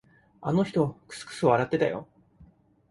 あの人、くすくす笑ってたよ。